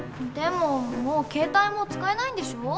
でももう携帯も使えないんでしょ？